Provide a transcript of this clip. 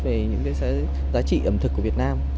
về những cái giá trị ẩm thực của việt nam